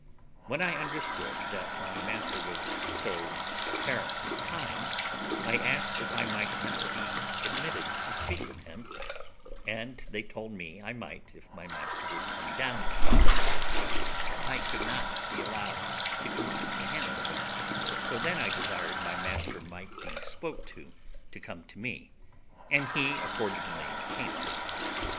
When I understood that my master was so apparently kind, I asked if I might not be admitted to speak with him, and they told me I might, if my master would come down to me, but I could not be allowed to come up to him; so then I desired my master might be spoke to to come to me, and he accordingly came to me.